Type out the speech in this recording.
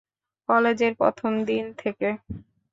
কলেজের প্রথম দিন থেকে।